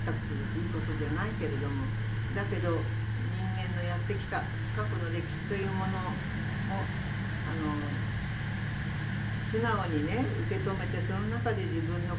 いいことじゃないけれどもだけど人間のやってきた過去の歴史というものを素直にね受け止めてその中で自分の考えというものを決めたいですよね。